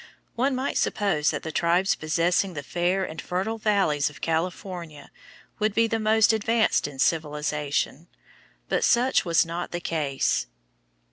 One might suppose that the tribes possessing the fair and fertile valleys of California would be the most advanced in civilization, but such was not the case.